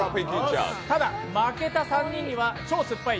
ただ負けた３人には超酸っぱい！